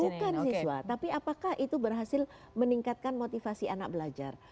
bukan siswa tapi apakah itu berhasil meningkatkan motivasi anak belajar